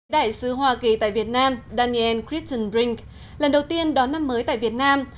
đại sứ hoa kỳ tại việt nam daniel crichton brink lần đầu tiên đón năm mới tại việt nam